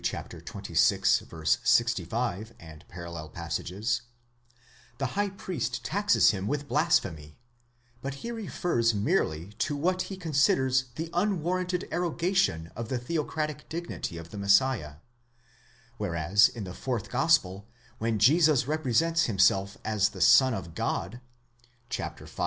xxvi. 65, parall:), the high priest taxes him with blasphemy; but he refers merely to what he considers the unwarranted arrogation of the theocratic dignity of the Messiah, whereas in the fourth gospel, when Jesus represents himself as the Son of God (v.